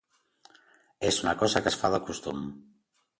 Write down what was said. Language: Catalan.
És una cosa que es fa de costum.